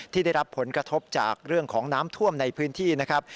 ที่ได้รับผลกระทบจากเรื่องของน้ำท่วมในพื้นที่นะครับ